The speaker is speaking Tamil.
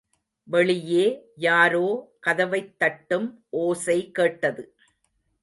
வெளியே யாரோ கதவைத்தட்டும் ஓசை கேட்டது.